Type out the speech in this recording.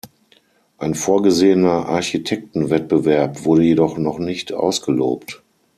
Ein vorgesehener Architektenwettbewerb wurde jedoch noch nicht ausgelobt.